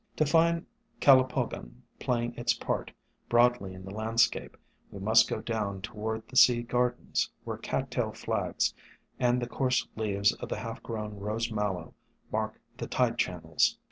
To find Calopogon playing its part SOME HUMBLE ORCHIDS 143 broadly in the landscape, we must go down toward the Sea Gardens, where Cat tail Flags and the coarse leaves of the half grown Rose Mallow mark the tide channels.